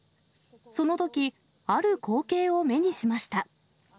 そのとき、ある光景を目にしました。